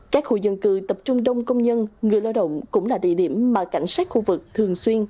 các khu dân cư tập trung đông công nhân người lao động cũng là địa điểm mà cảnh sát khu vực thường xuyên